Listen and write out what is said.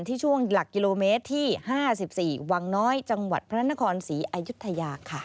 ช่วงหลักกิโลเมตรที่๕๔วังน้อยจังหวัดพระนครศรีอายุทยาค่ะ